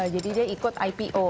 jadi dia ikut ipo